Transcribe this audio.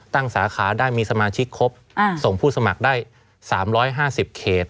สาขาได้มีสมาชิกครบส่งผู้สมัครได้๓๕๐เขต